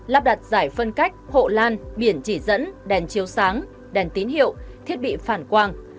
lắp đặt giải phân cách hộ lan biển chỉ dẫn đèn chiếu sáng đèn tín hiệu thiết bị phản quang